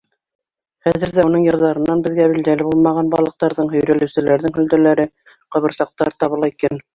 Хәҙер ҙә уның ярҙарынан беҙгә билдәле булмаған балыҡтарҙың, һөйрәлеүселәрҙең һөлдәләре, ҡабырсаҡтар табыла икән.